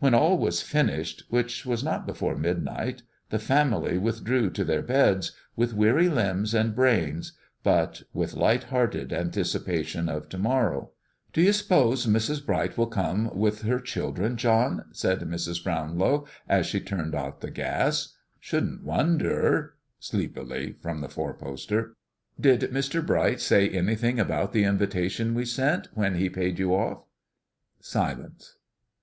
When all was finished, which was not before midnight, the family withdrew to their beds, with weary limbs and brains, but with light hearted anticipation of to morrow. "Do you s'pose Mrs. Bright will come with her children, John?" asked Mrs. Brownlow, as she turned out the gas. "Shouldn't wonder" sleepily from the four poster. "Did Mr. Bright say anything about the invitation we sent, when he paid you off?" Silence.